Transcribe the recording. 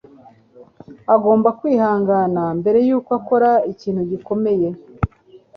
Ugomba kwihangana mbere yuko ukora ikintu gikomeye